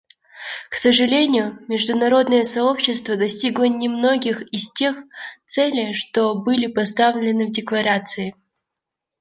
К сожалению, международное сообщество достигло немногих из тех целей, что были поставлены в Декларации.